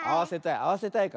あわせたい。